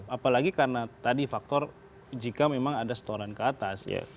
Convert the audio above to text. apalagi karena tadi faktor jika memang ada setoran ke atas ya